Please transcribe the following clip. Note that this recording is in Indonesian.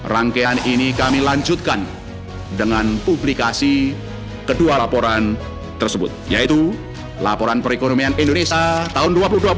rangkaian ini kami lanjutkan dengan publikasi kedua laporan tersebut yaitu laporan perekonomian indonesia tahun dua ribu dua puluh satu